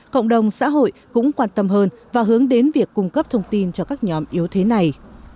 cộng đồng xã hội cũng quan tâm hơn và hướng đến việc cung cấp thông tin cho các nhóm yếu thế này